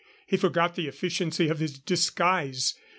He forgot the efficiency of his disguise.